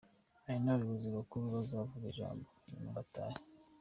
Hari n’abayobozi bakuru bazavuga ijambo hanyuma dutahe.